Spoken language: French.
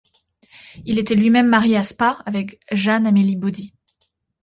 Il était lui-même marié à Spa, avec Jeanne Amélie Body.